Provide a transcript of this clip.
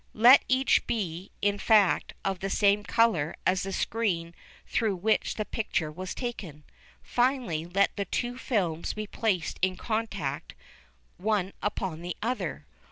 Let each be, in fact, of the same colour as the screen through which the picture was taken. Finally, let the two films be placed in contact one upon the other.